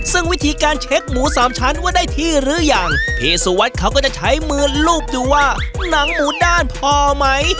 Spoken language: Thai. ซึ่งวิธีการเช็คหมูสามชั้นว่าได้ที่หรือยังพี่สุวัสดิ์เขาก็จะใช้มือลูบดูว่าหนังหมูด้านพอไหม